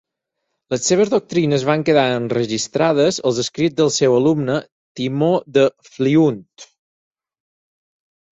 Les seves doctrines van quedar enregistrades als escrits del seu alumne, Timó de Fliunt.